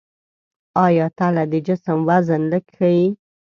آیا تله د جسم وزن لږ ښيي؟